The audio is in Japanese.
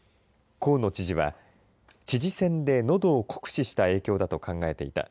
河野知事は、知事選でのどを酷使した影響だと考えていた。